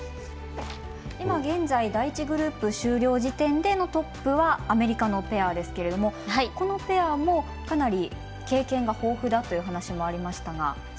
今現在第１グループ終了時点でのトップはアメリカのペアですがこのペアもかなり経験が豊富だという話がありましたが。